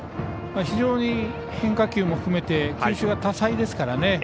非常に変化球も含めて球種が多彩ですから。